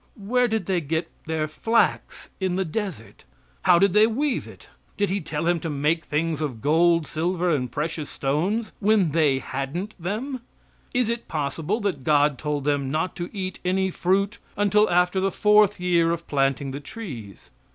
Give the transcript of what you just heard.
Where did they get their flax in the desert? How did they weave it? Did He tell him to make things of gold, silver and precious stones, when they hadn't them? Is it possible that God told them not to eat any fruit until after the fourth year of planting the trees?